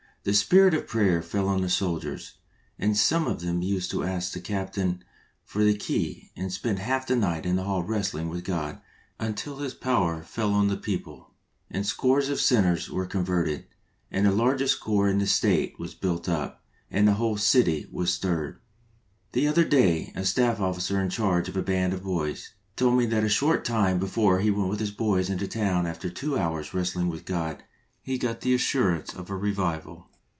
The spirit of prayer fell on the soldiers, and some of them used to ask the Captain for the key and spend half the night in the hall wrestling with God until His power fell on the people, and scores of sinners were converted, and the largest Corps in that State was built up, and the whole city was stirred. Tl^e other day, a Staff Officer in charge of a band of boys, told me that a short time before he went with his boys into a town that after two hours' wrestling with God he got the assurance of a revival.